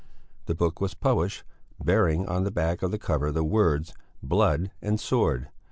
The book was published bearing on the back of the cover the words: "Blood and Sword.